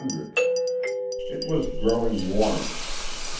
It was growing warm.